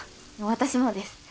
私もです。